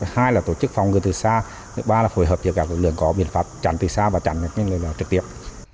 hai là tổ chức phòng người từ xa ba là phối hợp với các lực lượng có biện pháp tránh từ xa và tránh trực tiếp